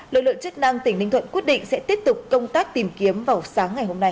lực lượng chức năng tỉnh ninh thuận quyết định sẽ tiếp tục công tác tìm kiếm vào sáng ngày hôm nay